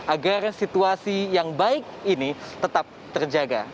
agar situasi yang baik ini tetap terjaga